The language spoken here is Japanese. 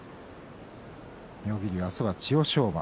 妙義龍、明日は千代翔馬。